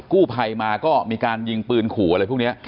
กู้ภัยมาก็มีการยิงปืนขู่อะไรพวกนี้